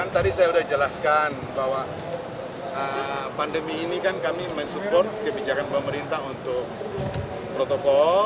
tadi saya sudah menjelaskan bahwa pandemi ini kami support kebijakan pemerintah untuk protokol